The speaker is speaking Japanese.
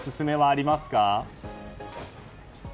あります。